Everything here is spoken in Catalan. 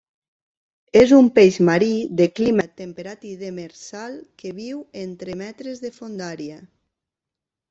És un peix marí, de clima temperat i demersal que viu entre m de fondària.